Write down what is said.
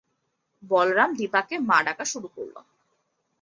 বলরাম দিপাকে মা ডাকা শুরু করল।